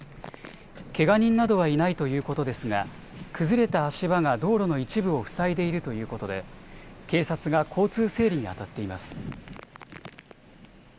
けが人などはいないということですが、崩れた足場が道路の一部を塞いでいるということで、警察が交通整理に当たっています。